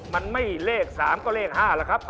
มันไม่เลข๓ก็เลข๕แล้วครับ